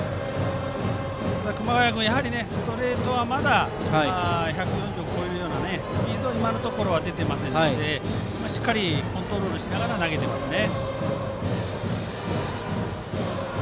熊谷君、やはりストレートはまだ１４０を超えるようなスピードは今のところ出ていませんのでしっかりコントロールしながら投げていますね。